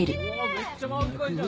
めっちゃ満開じゃん。